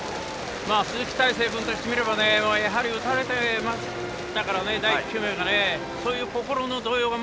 鈴木泰成君からしてみればやはり打たれていましたから第１球目が。